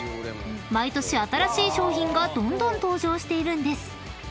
［毎年新しい商品がどんどん登場しているんです］